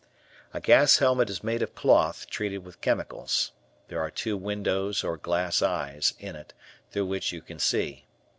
A gas helmet is made of cloth, treated with chemicals. There are two windows, or glass eyes, in it, through which you can see.